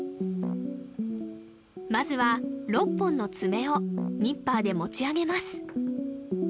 まずは６本の爪をニッパーで持ち上げます